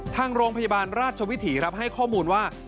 ทางโรงพยาบาลราชวิถีครับให้ข้อมูลว่า